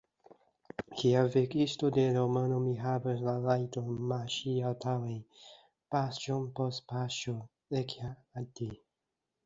Kiel verkisto de romano mi havas la rajton marŝi antaŭen, paŝon post paŝo, ekhalti.